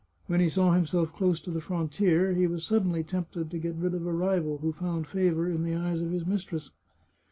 When he saw himself close to the frontier, he was suddenly tempted to get rid of a rival who found favour in the eyes of his mistress."